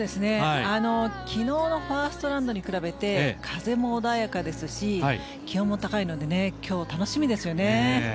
昨日のファーストラウンドに比べて風も穏やかですし気温も高いので今日楽しみですよね。